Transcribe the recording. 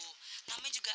namanya juga arti